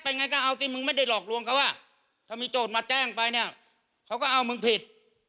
ไงก็เอาสิมึงไม่ได้หลอกลวงเขาอ่ะถ้ามีโจทย์มาแจ้งไปเนี่ยเขาก็เอามึงผิด